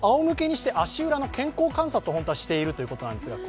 むりにして、足裏の健康観察を本当はしているということです。